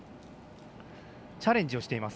チャレンジをしています。